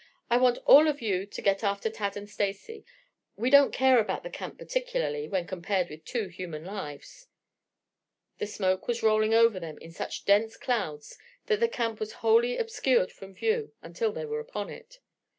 I want all of you to get after Tad and Stacy. We don't care about the camp particularly, when compared with two human lives." The smoke was rolling over them in such dense clouds that the camp was wholly obscured from view until they were upon it.